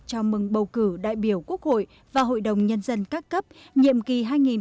chào mừng bầu cử đại biểu quốc hội và hội đồng nhân dân các cấp nhiệm kỳ hai nghìn hai mươi một hai nghìn hai mươi sáu